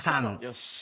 よし。